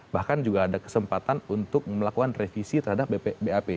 bahkan juga ada kesempatan untuk melakukan revisi terhadap bap